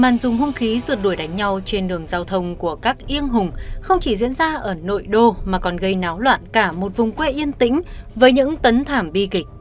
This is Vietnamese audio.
màn dùng hung khí rượt đuổi đánh nhau trên đường giao thông của các yên hùng không chỉ diễn ra ở nội đô mà còn gây náo loạn cả một vùng quê yên tĩnh với những tấn thảm bi kịch